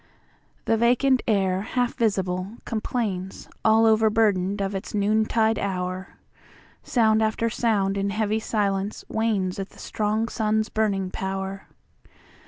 The vacant air, half visible, complainsAll overburdened of its noontide hour; Sound after sound in heavy silence wanesAt the strong sun's burning power.